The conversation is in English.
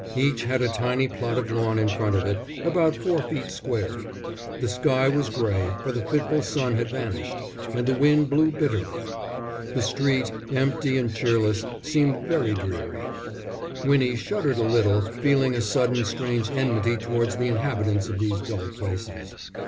Each had a tiny plot of lawn in front of it, about four feet square. The sky was grey, for the fitful sun had vanished, and the wind blew bitterly. The street, empty and cheerless, seemed very dreary. Winnie shuddered a little, feeling a sudden strange enmity towards the inhabitants of these dull places.